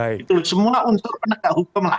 itu semua untuk penegak hukum lah